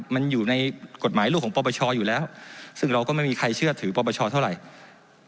มันอยู่ในกฎหมายลูกของปปชอยู่แล้วซึ่งเราก็ไม่มีใครเชื่อถือปปชเท่าไหร่